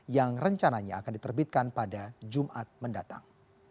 yang rencananya akan diterbitkan pada jumat mendatang